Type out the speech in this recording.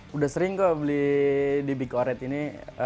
sudah sering kok beli di big oret ini